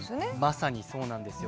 まさにそうなんですよ。